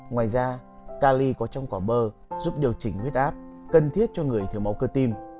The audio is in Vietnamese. ngoài ra cali có trong quả bơ giúp điều chỉnh huyết áp cần thiết cho người thiếu máu cơ tim